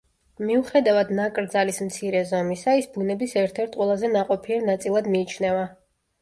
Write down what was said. მიუხედავად ნაკრძალის მცირე ზომისა, ის ბუნების ერთ-ერთ ყველაზე ნაყოფიერ ნაწილად მიიჩნევა.